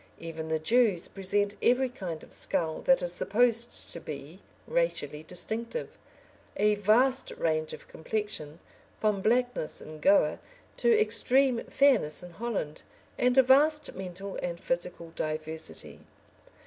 Even the Jews present every kind of skull that is supposed to be racially distinctive, a vast range of complexion from blackness in Goa, to extreme fairness in Holland and a vast mental and physical diversity.